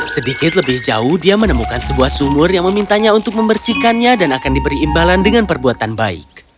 sedikit lebih jauh dia menemukan sebuah sumur yang memintanya untuk membersihkannya dan akan diberi imbalan dengan perbuatan baik